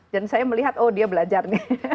dan saya melihat oh dia belajar nih